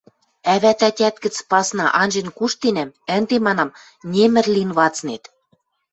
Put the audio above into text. Ӓвӓт-ӓтят гӹц пасна анжен куштенӓм, ӹнде, манам, немӹр лин вацнет.